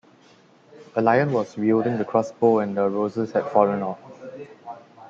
A lion was wielding the crossbow and the roses had fallen off.